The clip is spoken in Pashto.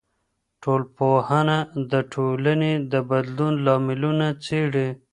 ټولنپوهنه د ټولنې د بدلون لاملونه څېړي.